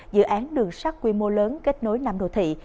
dự án đường sắt quy mô lớn kết nối năm đô thị